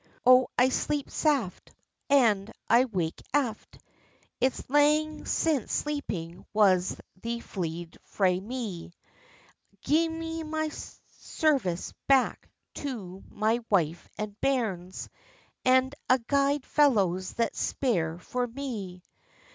"O I sleep saft, and I wake aft, It's lang since sleeping was fley'd frae me; Gie my service back to my wyfe and bairns And a' gude fellows that speer for me."